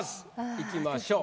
いきましょう。